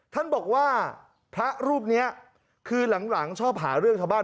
ท่านบอกว่าพระรูปนี้คือหลังชอบหาเรื่องชาวบ้าน